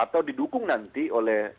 atau didukung nanti oleh